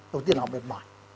đầu tiên là họ mệt mỏi